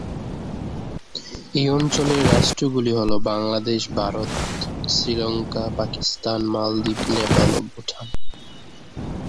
এই অঞ্চলের রাষ্ট্রগুলি হল বাংলাদেশ, ভারত, শ্রীলঙ্কা, পাকিস্তান, মালদ্বীপ, নেপাল ও ভুটান।